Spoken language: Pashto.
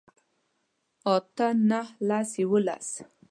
اتۀ نهه لس يوولس